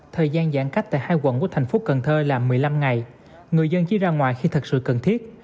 thời gian giãn cách tại hai quận của thành phố cần thơ là một mươi năm ngày người dân chỉ ra ngoài khi thật sự cần thiết